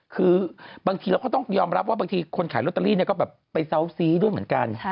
คือบางทีเราก็ต้องยอมรับว่าบางทีคนขายลอตเตอรี่ก็แบบไปเซาซีด้วยเหมือนกัน